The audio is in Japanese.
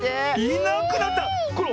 いなくなった⁉これ